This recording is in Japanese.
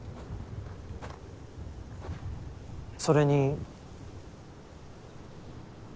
それに。